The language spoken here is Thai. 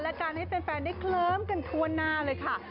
และการให้แฟนได้เคลิ้มกันทั่วหน้าเลยค่ะ